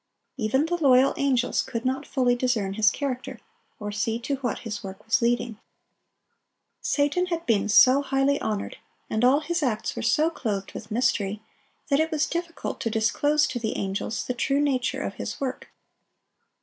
Even the loyal angels could not fully discern his character, or see to what his work was leading. Satan had been so highly honored, and all his acts were so clothed with mystery, that it was difficult to disclose to the angels the true nature of his work.